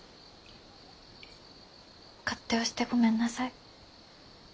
勝手をしてごめんなさい。